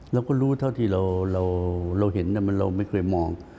เราก็รู้เท่าที่เราเห็นเราไม่เคยมอง